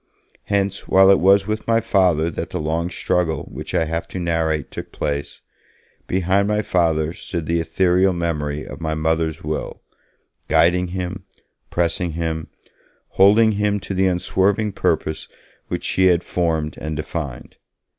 Hence, while it was with my Father that the long struggle which I have to narrate took place, behind my Father stood the ethereal memory of my Mother's will, guiding him, pressing him, holding him to the unswerving purpose which she had formed and defined.